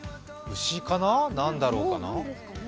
牛かな、何だろうかな。